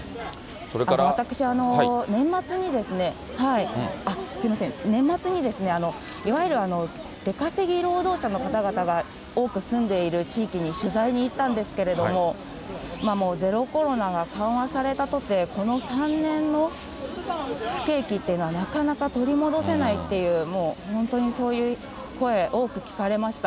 私、年末に、すみません、年末にいわゆる出稼ぎ労働者の方々が多く住んでいる地域に取材に行ったんですけれども、ゼロコロナが緩和されたとて、この３年の不景気というのは、なかなか取り戻せないっていう、もう本当にそういう声、多く聞かれました。